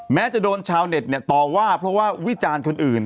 จะโดนชาวเน็ตต่อว่าเพราะว่าวิจารณ์คนอื่น